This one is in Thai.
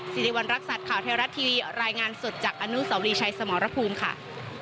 สิริวัณรักษัตริย์ข่าวไทยรัฐทีวีรายงานสดจากอนุสาวรีชัยสมรภูมิค่ะ